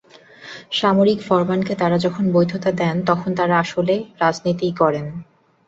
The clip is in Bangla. সামরিক ফরমানকে তাঁরা যখন বৈধতা দেন, তখন তাঁরা আসলে রাজনীতিই করেন।